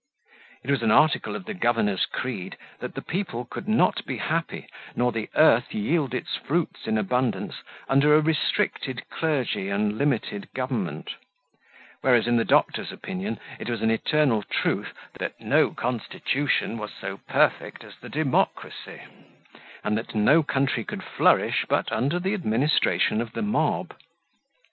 It was an article of the governor's creed, that the people could not be happy, nor the earth yield its fruits in abundance, under a restricted clergy and limited government; whereas, in the doctor's opinion, it was an eternal truth, that no constitution was so perfect as the democracy, and that no country could flourish but under the administration of the mob.